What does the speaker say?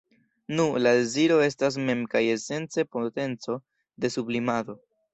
Nu, la deziro estas mem kaj esence potenco de sublimado.